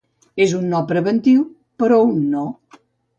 És un no preventiu, però un no.